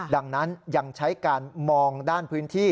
ดังนั้นยังใช้การมองด้านพื้นที่